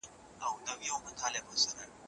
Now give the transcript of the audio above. موږ به په ګډه د خپل هېواد جوړولو ته دوام ورکړو.